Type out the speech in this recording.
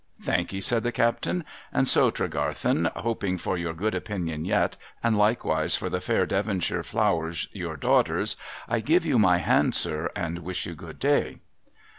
' Thank'ee,' said the captain. ' And so, Tregarthen, hoping for your good opinion yet, and likewise for the fair Devonshire Flower's, your daughter's, I give you my hand, sir, and wish you good day.'